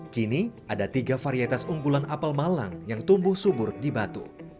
kini ada tiga varietas unggulan apel malang yang tumbuh subur di batu